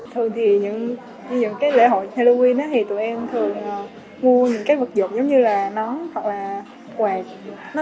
thường thì những lễ hội halloween tụi em thường mua những vật dụng giống như là nón hoặc là quạt